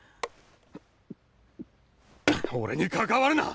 俺に関わるな！